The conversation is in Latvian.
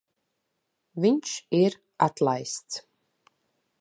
Viņš ir atlaists.